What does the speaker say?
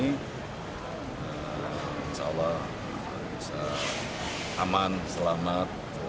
insyaallah aman selamat